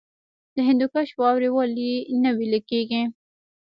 د هندوکش واورې ولې نه ویلی کیږي؟